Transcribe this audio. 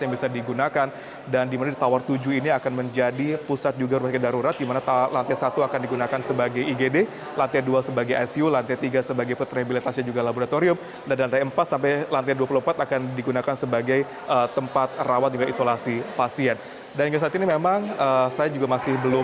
baik dari bagaimana